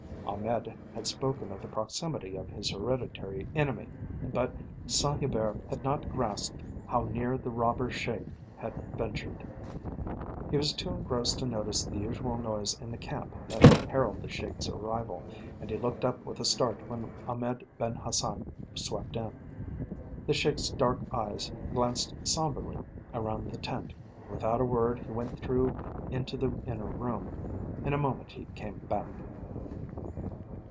Ahmed had spoken of the proximity of his hereditary enemy, but Saint Hubert had not grasped how near the robber Sheik had ventured. He was too engrossed to notice the usual noise in the camp that heralded the Sheik's arrival, and he looked up with a start when Ahmed Ben Hassan swept in. The Sheik's dark eyes glanced sombrely around the tent and without a word he went through into the inner room. In a moment he came hack.